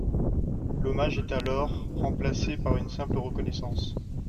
L'hommage est alors remplacé par une simple reconnaissance.